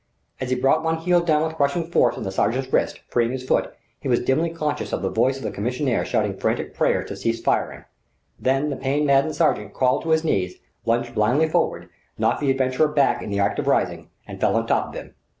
As he brought one heel down with crushing force on the sergent's wrist, freeing his foot, he was dimly conscious of the voice of the commissaire shouting frantic prayers to cease firing. Then the pain maddened sergent crawled to his knees, lunged blindly forward, knocked the adventurer back in the act of rising, and fell on top of him.